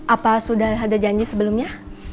apa sudah ada janji sebelumnya